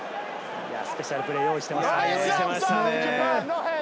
スペシャルプレー、用意していましたね。